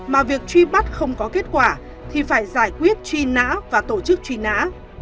mà việc truy bắt không có kết quả thì phải giải quyết truy nã và tổ chức truy nã